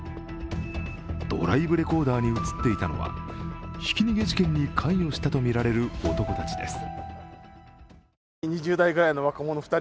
ドライブレコーダーに映っていたのは、ひき逃げ事件に関与したとみられる男たちです。